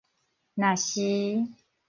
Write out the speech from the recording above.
若是